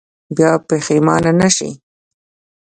بیا پښېمانه نه شئ.